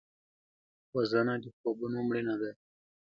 وژنه د خوبونو مړینه ده